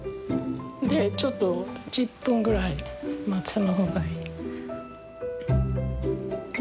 ちょっと１０分ぐらい待つ方がいい。